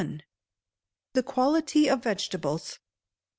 The Quality of Vegetables.